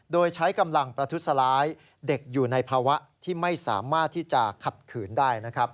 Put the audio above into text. โดยใช้กำลังประทุษร้ายเด็กอยู่ในภาวะที่ไม่สามารถที่จะขัดขืนได้นะครับ